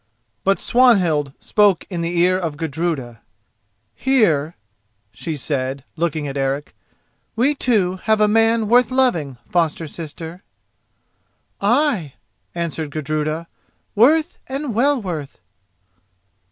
But Swanhild spoke in the ear of Gudruda: "Here," she said, looking at Eric, "we two have a man worth loving, foster sister." "Ay," answered Gudruda, "worth and well worth!"